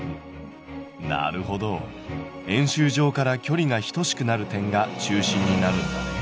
なるほど円周上から距離が等しくなる点が中心になるんだね。